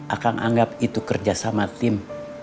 akang anggap itu kerja sama tim